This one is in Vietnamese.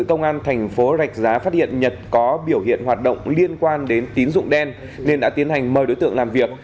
công an tp rex giá phát hiện nhật có biểu hiện hoạt động liên quan đến tín dụng đen nên đã tiến hành mời đối tượng làm việc